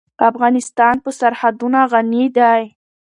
افغانستان په سرحدونه غني دی.